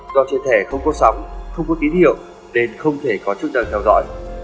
do trên thẻ không có sóng không có tín hiệu nên không thể có chức năng theo dõi